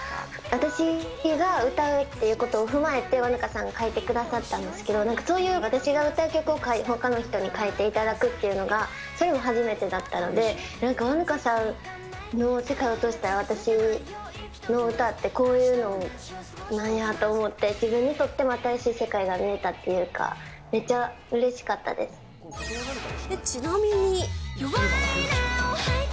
私が歌うっていうことを踏まえて、和ぬかさんが書いてくださったんですけど、なんかそういう私が歌う曲をほかの人に書いていただくっていうのが、そういうのも初めてだったので、なんか、和ぬかさんの世界を通したら、私の歌ってこういうのなんやと思って、自分にとっても新しい世界が見えたっていうか、めっちゃうちなみに。